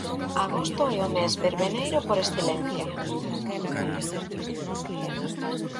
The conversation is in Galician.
Agosto é o mes verbeneiro por excelencia.